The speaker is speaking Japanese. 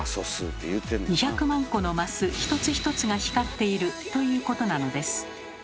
２００万個のマス一つ一つが光っているということなのです。